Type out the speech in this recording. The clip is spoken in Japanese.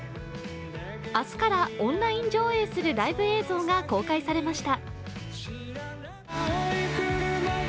明日からオンライン上映するライブ映像が公開されました。